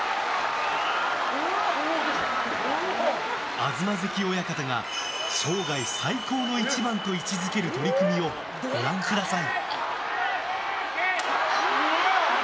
東関親方が生涯最高の一番と位置付ける取組をご覧ください。